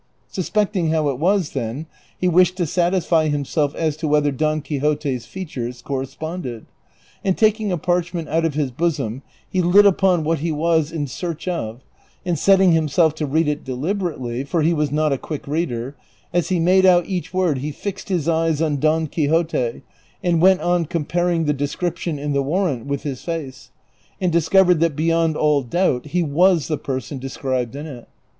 Suspecting how it was, then, he wished to satisfy himself as to whether Don Quixote's feat ures corresponded ; and taking a parchment out of his bosom he lit upon Avliat he was in search of, and setting himself to read it deliberately, for he was not a quick reader, as he made out each word he fixed his eyes on Don Quixote, and went on comparing the description in the warrant with his face, and discovered that beyond all doubt he was the person described in it.